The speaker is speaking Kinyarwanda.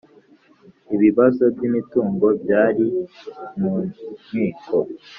Ibibazo by’imitungo byari mu nkiko.